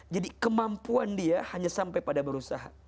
jadi kemampuan dia hanya sampai pada berusaha